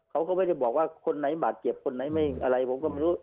เขาก็ไม่ได้บอกว่าคนไหนบาดเจ็บคนไหนไม่อะไร